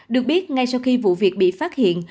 được biết ngay sau khi vụ việc bị phát hiện